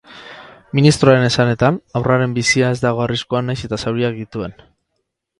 Ministroaren esanetan, haurraren bizia ez dago arriskuan nahiz eta zauriak dituen.